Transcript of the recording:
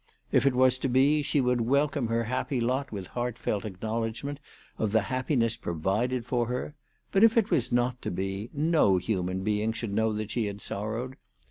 If it was to be, she would welcome her happy lot with heart felt acknowledgment of the happiness provided for her ; but if it was not to be, no human being should know that she had sorrowed.